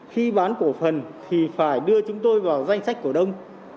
khi bán cổ phần thì phải đưa chúng tôi vào danh sách cổ đông